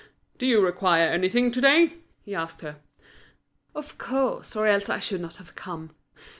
"Do you require anything to day?" he asked her. "Of course, or else I should not have come.